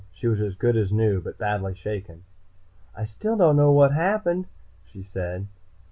She was as good as new, but badly shaken. "I still don't know what happened," she said.